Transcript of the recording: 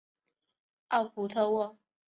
奥普特沃。